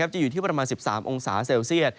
จะอยู่ที่ประมาณ๑๓องศาเซลเซียต